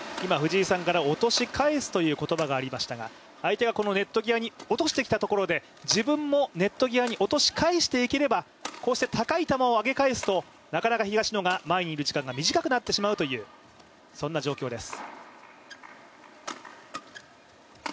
落とし返すという言葉がありましたが相手がネット際に落としてきたところで自分も落としていけばこうして高い球を返すと東野が前にいる時間が短くなってしまうという状況です。